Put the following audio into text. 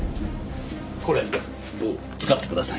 これ使ってください。